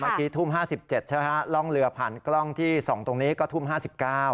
ทุ่มห้าสิบเจ็ดใช่ไหมฮะร่องเรือผ่านกล้องที่ส่องตรงนี้ก็ทุ่มห้าสิบเก้า